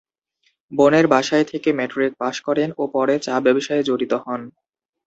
বোনের বাসায় থেকে মেট্রিক পাস করেন ও পরে চা ব্যবসায়ে জড়িত হন।